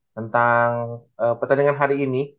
tentang pertandingan hari ini